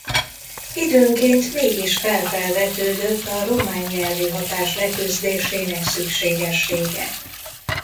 Időnként mégis fel-felvetődött a román nyelvi hatás leküzdésének szükségessége.